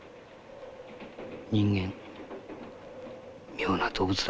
人間妙な動物だな。